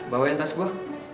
bawain tas gua